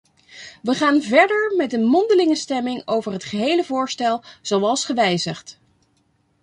We gaan verder met een mondelinge stemming over het gehele voorstel, zoals gewijzigd.